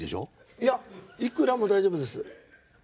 いやいくらも大丈夫です。